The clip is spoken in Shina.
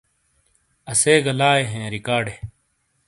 اسے گہ لاے ہیں ریکارڈ ے